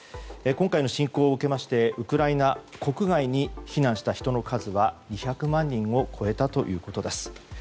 今回の侵攻を受けましてウクライナ国外に避難した人の数は２００万人を超えたということです。